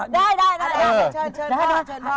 ได้โชนพ่อ